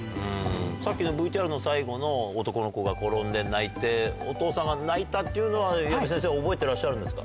さっきのＶＴＲの最後の男の子が転んで泣いて、お父さんが泣いたっていうのは、あれ、矢部先生は覚えてらっしゃるんですか？